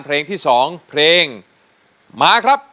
อันเพลงที่สองเพลงมาครับ